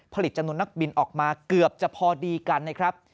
ผลิตจำนวนนักบินออกมาเกือบจะพอดีกันนะครับ